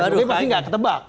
dia pasti gak ketebak